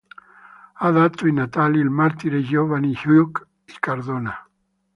Ha dato i natali al martire Giovanni Huguet y Cardona.